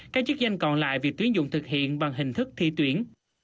các chức danh còn lại việc tuyến dụng thực hiện bằng hình thức thi tuyển